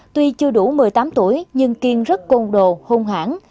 tuy chưa đủ một mươi tám tuổi nhưng kiên rất côn đồ hung hãn